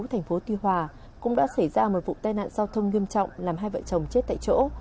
thành phố tuy hòa cũng đã xảy ra một vụ tai nạn giao thông nghiêm trọng làm hai vợ chồng chết tại chỗ